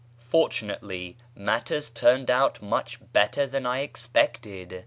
Fortunately matters turned out much better than I expected.